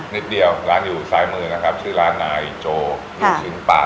นิดเดียวร้านอยู่ซ้ายมือนะครับชื่อร้านนายโจลูกชิ้นป่า